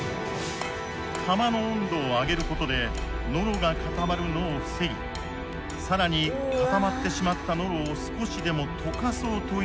釜の温度を上げることでノロが固まるのを防ぎ更に固まってしまったノロを少しでも溶かそうという計算か。